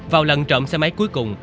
vào lần trộm xe máy cuối cùng